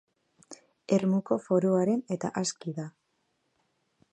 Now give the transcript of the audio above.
Ermuko Foroaren eta Aski da!